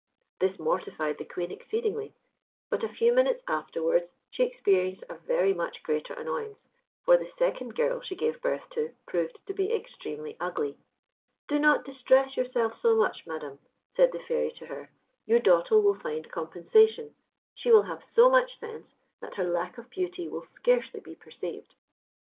This mortified the Queen exceedingly; but a few minutes afterwards she experienced a very much greater annoyance, for the second girl she gave birth to, proved to be extremely ugly. "Do not distress yourself so much, Madam," said the Fairy to her. "Your daughter will find compensation; she will have so much sense that her lack of beauty will scarcely be perceived."